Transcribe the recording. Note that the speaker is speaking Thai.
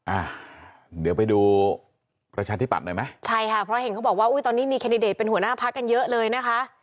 อ่าเดี๋ยวไปดูประชาธิบัติหน่อยไหมใช่ค่ะเพราะเห็นเขาบอกว่าอุ้ยตอนนี้มีแคนดิเดตเป็นหัวหน้าพักกันเยอะเลยนะคะ